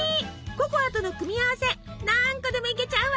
ココアとの組み合わせ何個でもいけちゃうわ！